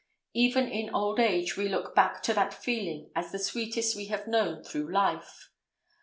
Even in old age we look back to that feeling as the sweetest we have known through life.